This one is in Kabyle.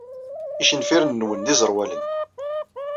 Icenfiren-nwen d iẓerwalen.